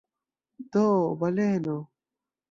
Do – baleno!